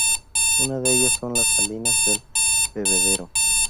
Una de ellas son las Salinas del Bebedero.